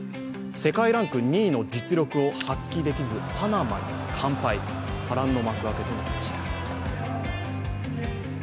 世界ランク２位の実力を発揮できずパナマに完敗、波乱の幕開けとなりました。